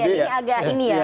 ini agak ini ya